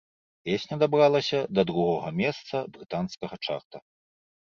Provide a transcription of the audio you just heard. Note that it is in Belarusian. Песня дабралася да другога месца брытанскага чарта.